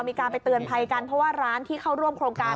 มีการไปเตือนภัยกันเพราะว่าร้านที่เข้าร่วมโครงการ